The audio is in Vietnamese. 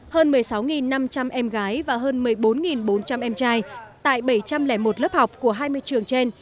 hơn một mươi sáu năm trăm linh em gái và hơn một mươi bốn bốn trăm linh em trai tại bảy trăm linh một lớp học của hai mươi trường trên